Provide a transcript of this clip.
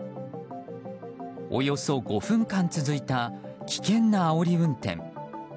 およそ５分間続いた危険なあおり運転。